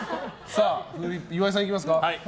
岩井さん、いきますか。